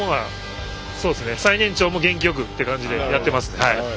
最年長も元気よくっていう感じでやっていますね。